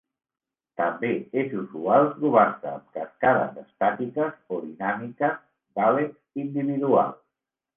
També és usual trobar-se amb cascades estàtiques o dinàmiques d'àleps individuals.